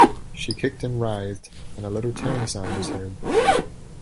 She kicked and writhed, and a little tearing sound was heard.